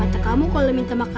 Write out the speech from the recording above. au terlalu kuat urang nuri aku